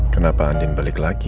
kenapa andin balik lagi